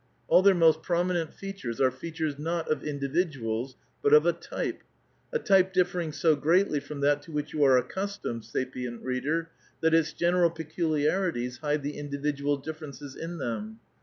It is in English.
All their most prominent features are features not of indi viduals, but of a type ; a type differing so greatly from that to whicli you are accustomed, sapient reader, that its general peculiarities hide the individual differences in them.